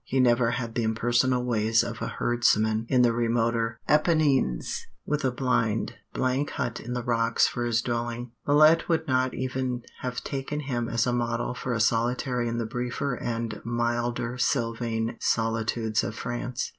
He never had the impersonal ways of a herdsman in the remoter Apennines, with a blind, blank hut in the rocks for his dwelling. Millet would not even have taken him as a model for a solitary in the briefer and milder sylvan solitudes of France.